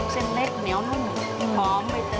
เช่นเล็กเนี๊ยวนุ่มหอมใบเตย